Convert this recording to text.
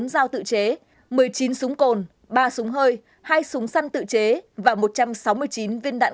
hai trăm bốn mươi bốn giao tự chế một mươi chín súng cồn ba súng hơi hai súng săn tự chế và một trăm sáu mươi chín viên đạn